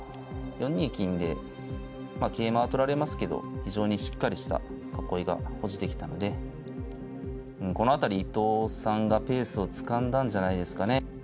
４二金でまあ桂馬は取られますけど非常にしっかりした囲いが保持できたのでこの辺り伊藤さんがペースをつかんだんじゃないですかね。